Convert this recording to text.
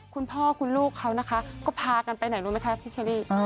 คุณพ่อคุณลูกเขานะคะก็พากันไปไหนรู้ไหมคะพี่เชอรี่